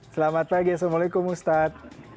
selamat pagi assalamualaikum ustadz